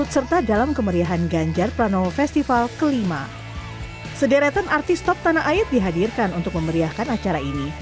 sederetan artis top tanah air dihadirkan untuk memeriahkan acara ini